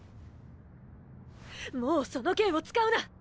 もうその剣を使うな！